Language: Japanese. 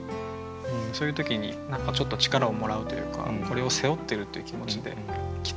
そういう時に何かちょっと力をもらうというかこれを背負ってるっていう気持ちで着て行く。